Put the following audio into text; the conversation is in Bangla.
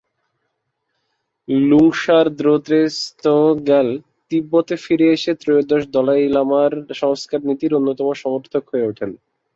লুং-শার-র্দো-র্জে-ম্ত্শো-র্গ্যাল তিব্বতে ফিরে এসে ত্রয়োদশ দলাই লামার সংস্কার নীতির অন্যতম সমর্থক হয়ে ওঠেন।